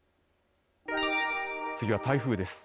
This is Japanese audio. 次は台風です。